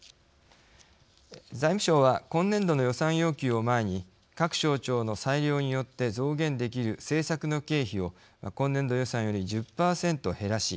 財務省は今年度の予算要求を前に各省庁の裁量によって増減できる政策の経費を今年度予算より１０％減らし。